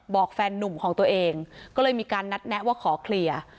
แฟนนุ่มของตัวเองก็เลยมีการนัดแนะว่าขอเคลียร์